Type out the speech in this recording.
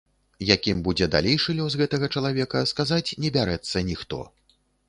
Якім будзе далейшы лёс гэтага чалавека, сказаць не бярэцца ніхто.